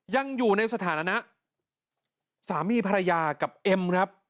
ยังอยู่ในสถานะสามีภรรยากับเอ็มครับ